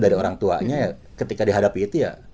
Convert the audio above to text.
dari orang tuanya ya ketika dihadapi itu ya